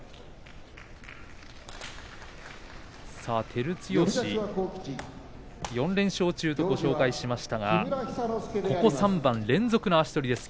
照強、４連勝中とご紹介しましたがここ３番連続の足取りです。